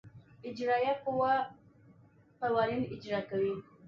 اجرائیه قوه قوانین اجرا کوي.